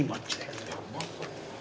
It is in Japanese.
うまそう。